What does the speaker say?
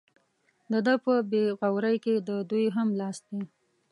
د ده په بې غورۍ کې د دوی هم لاس دی.